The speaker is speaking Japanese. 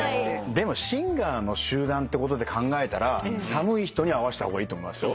でもシンガーの集団ってことで考えたら寒い人に合わせた方がいいと思いますよ。